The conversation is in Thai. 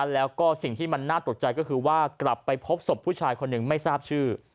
แล้วก็สิ่งที่มันน่าตกใจก็คือว่ากลับไปพบศพผู้ชายคนหนึ่งไม่ทราบชื่อ